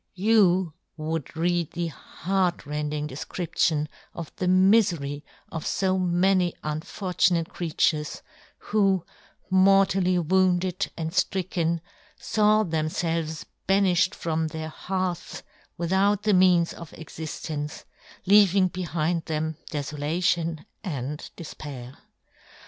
You would read the heartrending defcrip tion of the mifery of fo many unfor tunate creatures, who, mortally wounded and ftricken, faw them felves baniflied from their hearths without the means of exiftence, leaving behind them defolation and 10 74 John Gutenberg. defpair.